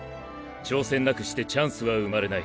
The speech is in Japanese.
挑戦なくしてチャンスは生まれない。